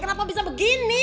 kenapa bisa begini